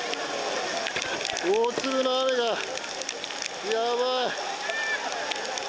大粒の雨がやばい。